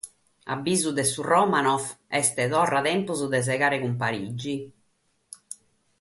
A bisu de su Romanov est torra tempus de segare cun Parigi.